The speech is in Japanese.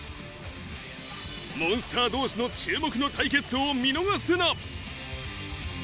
モンスター同士の注目の対決を見逃すな！